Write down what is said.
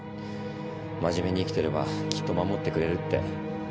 真面目に生きてればきっと守ってくれるって。